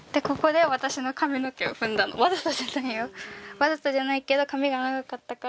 わざとじゃないけど髪が長かったから。